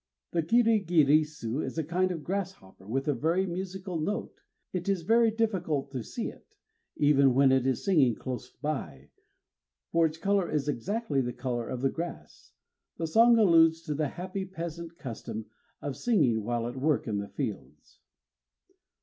The kirigirisu is a kind of grasshopper with a very musical note. It is very difficult to see it, even when it is singing close by, for its color is exactly the color of the grass. The song alludes to the happy peasant custom of singing while at work in the fields.